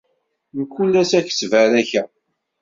Mkul ass ad k-ttbarakeɣ.